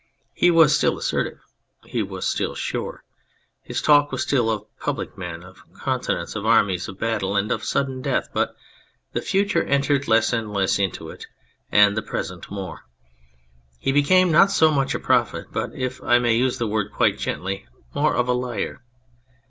He was still assertive, he was still sure ; his talk was still of public men, of con tinents, of armies, of battle and of sudden death, but the future entered less into it, and the present more. He became not so much a prophet, but, if I may use the word quite gently, more of a liar.